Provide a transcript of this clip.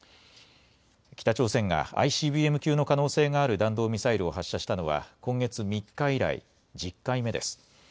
北朝鮮がＩＣＢＭ級の可能性がある弾道ミサイルを発射したのは今月３日以来、１０回目です。